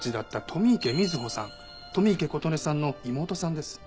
富池琴音さんの妹さんです。